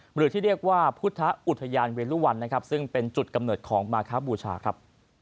หรือที่เรียกว่าพุทธอุทยานเวรุวันนะครับซึ่งเป็นจุดกำเนิดของมาคบูชาครับ